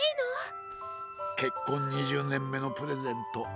けっこん２０ねんめのプレゼント。